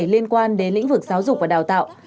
liên quan đến lĩnh vực giáo dục và đào tạo